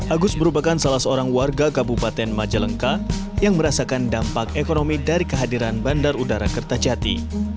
agus merupakan salah seorang warga kabupaten majalengka yang merasakan dampak ekonomi dari kehadiran bandar udara kertajati